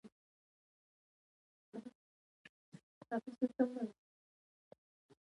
قمري له ونې څخه ځمکې ته راښکته شوه.